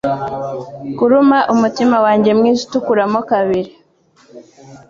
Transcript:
Kuruma umutima wanjye mwiza utukura mo kabiri.